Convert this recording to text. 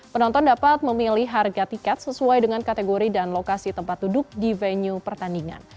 penonton dapat memilih harga tiket sesuai dengan kategori dan lokasi tempat duduk di venue pertandingan